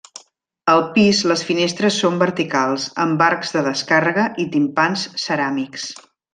Al pis les finestres són verticals, amb arcs de descàrrega i timpans ceràmics.